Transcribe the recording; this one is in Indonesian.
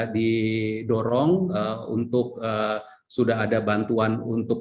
didorong untuk sudah ada bantuan untuk